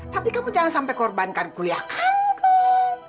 tapi kamu jangan sampai korbankan kuliah kamu